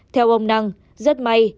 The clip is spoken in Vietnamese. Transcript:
theo ông năng rất may